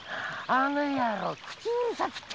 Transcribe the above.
あの野郎口うるさくって。